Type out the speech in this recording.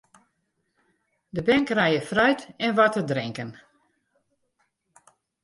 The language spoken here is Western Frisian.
De bern krije fruit en wat te drinken.